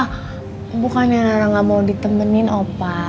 ah bukannya nara gak mau ditemenin opa